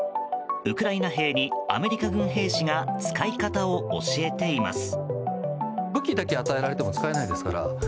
ウクライナ兵にアメリカ軍兵士が使い方を教えています。